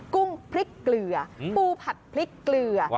กุ้งพริกเกลือปูผัดพริกเกลือ